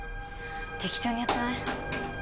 適当にやってない？